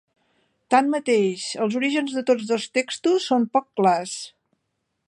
Tanmateix, els orígens de tots dos textos són poc clars.